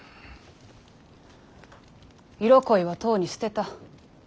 色恋はとうに捨てた。